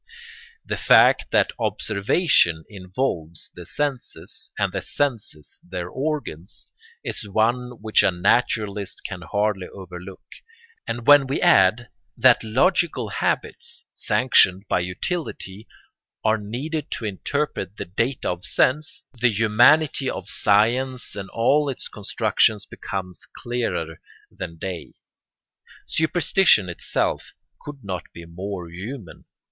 The fact that observation involves the senses, and the senses their organs, is one which a naturalist can hardly overlook; and when we add that logical habits, sanctioned by utility, are needed to interpret the data of sense, the humanity of science and all its constructions becomes clearer than day. Superstition itself could not be more human.